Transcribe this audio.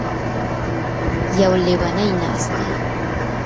يـو ليونی نـاست دی.